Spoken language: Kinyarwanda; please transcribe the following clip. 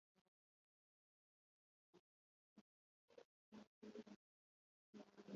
bwiteganyirize butegetswe pansiyo ye ya